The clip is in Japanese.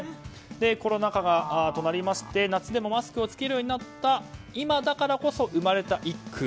コロナ禍となりまして、夏でもマスクを着けるようになった今だからこそ生まれた一句。